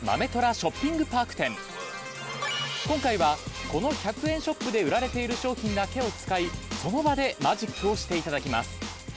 今回はこの１００円ショップで売られている商品だけを使いその場でマジックをしていただきます。